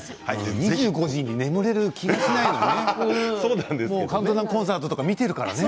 ２５時に眠れる気持ちがしないのよね。